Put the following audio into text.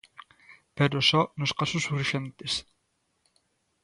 Pero só nos casos urxentes.